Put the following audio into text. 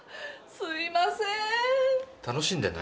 すみません！